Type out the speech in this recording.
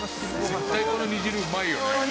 「絶対この煮汁うまいよね」